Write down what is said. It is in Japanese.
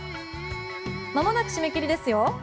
まもなく締め切りですよ。